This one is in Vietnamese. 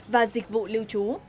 và dịch vụ lưu trú